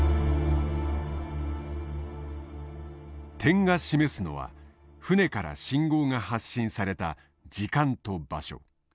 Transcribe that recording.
点が示すのは船から信号が発信された時間と場所。